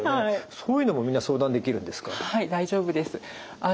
そういうのもみんな相談できるんですか？